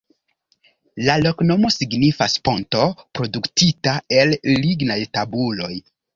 La loknomo signifas: "ponto produktita el lignaj tabuloj".